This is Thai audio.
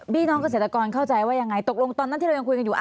พี่น้องเกษตรกรเข้าใจว่ายังไงตกลงตอนนั้นที่เรายังคุยกันอยู่